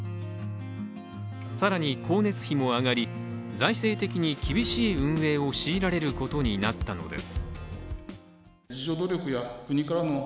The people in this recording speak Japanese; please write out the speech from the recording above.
更に光熱費も上がり、財政的に厳しい運営を強いられることになったのです。